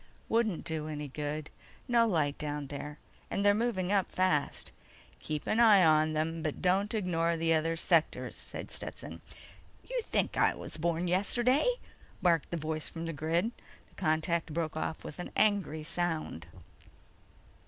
"Wouldn't do any good. No light down there, and they're moving up fast." "Keep an eye on them, but don't ignore the other sectors," said Stetson. "You think I was born yesterday?" barked the voice from the grid. The contact broke off with an angry sound.